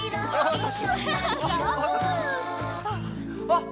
あっ！